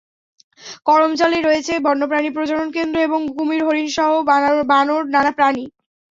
করমজলে রয়েছে বন্য প্রাণী প্রজনন কেন্দ্র এবং কুমির, হরিণ, বানরসহ নানা প্রাণী।